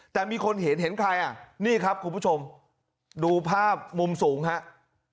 แต่มีคนเห็นเห็นใครอ่ะนี่ครับคุณผู้ชมดูภาพมุมสูงครับ